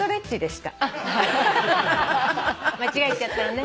間違えちゃったのね。